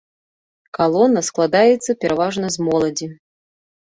Калона складаецца пераважна з моладзі.